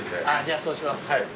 じゃあそうします。